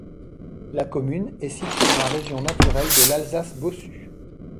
La commune est située dans la région naturelle de l'Alsace Bossue.